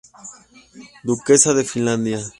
Duquesa de Finlandia.